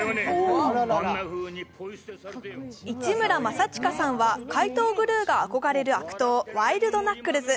市村正親さんは、怪盗グルーが憧れる悪党ワイルド・ナックルズ。